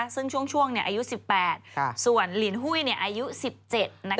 ซึ่งช่วงเนี่ยอายุ๑๘ส่วนลินหุ้ยเนี่ยอายุ๑๗นะคะ